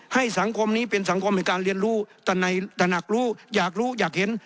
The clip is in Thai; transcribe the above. สังคมนี้เป็นสังคมในการเรียนรู้แต่หนักรู้อยากรู้อยากเห็น